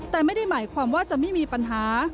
แต่ไม่ได้หมายความว่าจะไม่มีปัญหา